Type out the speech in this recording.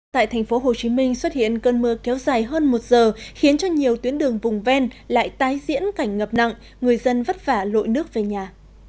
tại thành phố hồ chí minh xuất hiện cơn mưa kéo dài hơn một giờ khiến cho nhiều tuyến đường vùng ven lại tái diễn cảnh ngập nặng người dân vất vả lội nước về nhà